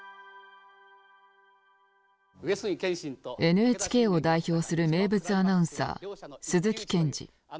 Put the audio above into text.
ＮＨＫを代表する名物アナウンサー鈴木健二。